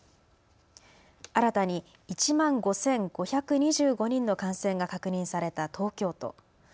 新たに１万５５２５人の感染が確認された東京都。